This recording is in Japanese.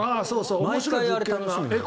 毎回あれ楽しみなんだよな。